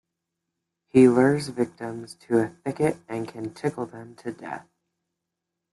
He lures victims to a thicket and can tickle them to death.